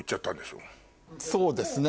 そうですね。